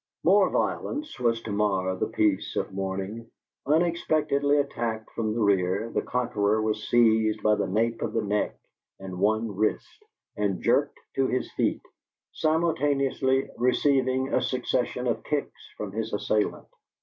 More violence was to mar the peace of morning. Unexpectedly attacked from the rear, the conqueror was seized by the nape of the neck and one wrist, and jerked to his feet, simultaneously receiving a succession of kicks from his assailant.